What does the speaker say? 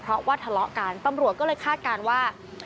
เพราะว่าทะเลาะกันตำรวจก็เลยคาดการณ์ว่า